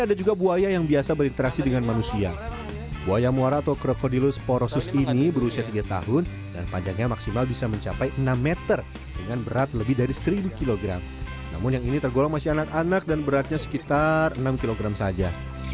ada juga buaya yang biasa berinteraksi dengan manusia buaya muara atau krokodilos porosus ini berusia tiga tahun dan panjangnya maksimal bisa mencapai enam meter dengan berat lebih dari seribu kg namun yang ini tergolong masih anak anak dan beratnya sekitar enam kg saja